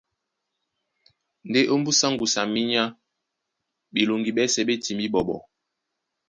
Ndé ómbúsá ŋgusu a minyá ɓeloŋgi ɓɛ́sɛ̄ ɓé timbí ɓɔɓɔ.